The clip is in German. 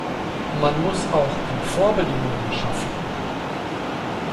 Man muss auch die Vorbedingungen schaffen.